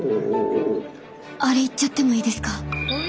あれいっちゃってもいいですか？